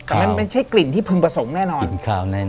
แต่ไม่ใช่กลิ่นที่พึงประสงค์แน่นอนกลิ่นขาวแน่นอน